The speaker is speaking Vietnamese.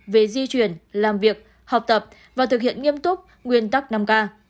về di chuyển làm việc học tập và thực hiện nghiêm túc nguyên tắc năm k